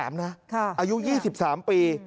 อายุ๒๓ปี